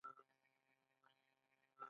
دوی د پایپ لاینونو څارنه کوي.